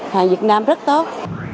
hàng việt nam rất tốt